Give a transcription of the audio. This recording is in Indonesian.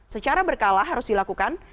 secara berkala harus dilakukan